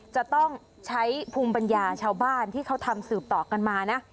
จะต้องใช้ภูมิปัญญาชาวบ้านที่เขาทำสืบต่อกันมานะ